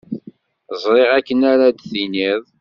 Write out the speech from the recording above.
Ẓriɣ akken ara d-tiniḍ.